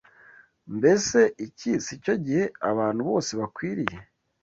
Mbese iki sicyo gihe abantu bose bakwiriye